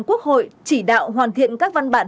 quốc hội chỉ đạo hoàn thiện các văn bản